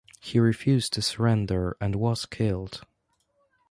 He refused to surrender and was killed.